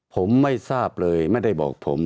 ผมไม่ทราบเลยไม่ได้บอกผม